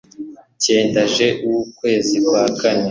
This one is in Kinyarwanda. cyendaj w ukwezi kwa kane